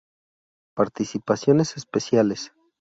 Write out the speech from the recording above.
Participaciones Especiales